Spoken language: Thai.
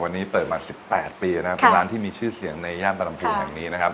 วันนี้เปิดมา๑๘ปีทุกร้านที่มีชื่อเสียงในย่าตำรวมเห็นอย่างนี้